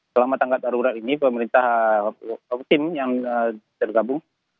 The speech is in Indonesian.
selama tanggap darurat ini pemerintah tim yang tergabung